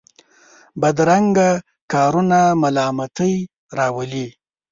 بدرنګه کارونه ملامتۍ راولي